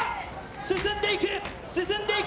進んでいく、進んでいく。